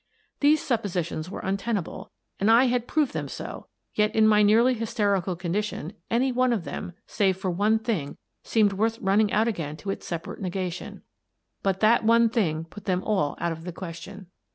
These suppositions were untenable, and I had proved them so, yet, in my nearly hysterical condition, any one of them, save for one thing, seemed worth running out again to its separate negatioa But that one thing put them all out of the question.